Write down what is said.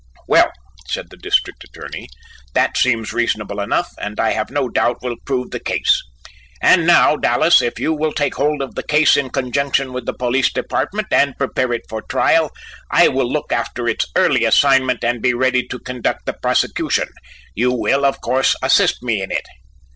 "Well," said the District Attorney, "that seems reasonable enough, and I have no doubt will prove the case: and now, Dallas, if you will take hold of the case in conjunction with the police department and prepare it for trial, I will look after its early assignment and be ready to conduct the prosecution. You will of course assist me in it."